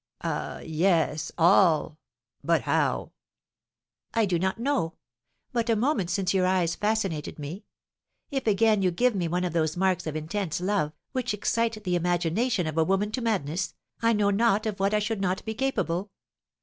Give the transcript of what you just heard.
"Ah! yes all. But how?" "I do not know, but a moment since your eyes fascinated me. If again you give me one of those marks of intense love, which excite the imagination of a woman to madness, I know not of what I should not be capable.